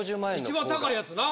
一番高いやつな。